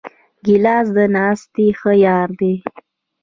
ګیلاس د ناستې ښه یار دی.